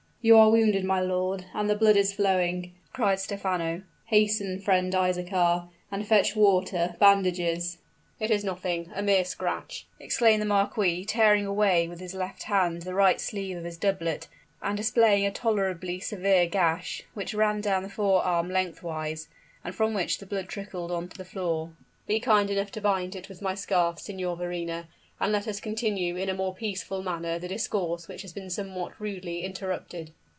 "You are wounded, my lord and the blood is flowing!" cried Stephano. "Hasten, friend Isaachar and fetch water, bandages " "It is nothing a mere scratch," exclaimed the marquis, tearing away with his left hand the right sleeve of his doublet, and displaying a tolerably severe gash, which ran down the forearm lengthwise, and from which the blood trickled on the floor. "Be kind enough to bind it with my scarf, Signor Verrina, and let us continue in a more peaceful manner the discourse which has been somewhat rudely interrupted."